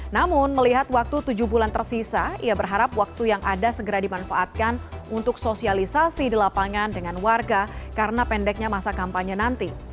namun melihat waktu tujuh bulan tersisa ia berharap waktu yang ada segera dimanfaatkan untuk sosialisasi di lapangan dengan warga karena pendeknya masa kampanye nanti